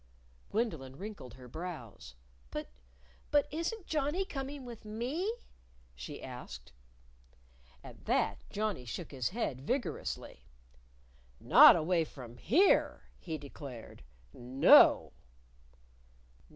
Gwendolyn wrinkled her brows. "But but isn't Johnnie coming with me?" she asked. At that Johnnie shook his head vigorously. "Not away from here," he declared. "No!"